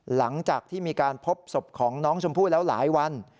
หลังจากที่มีการพบศพของน้องชมพู่แล้วหลายวัน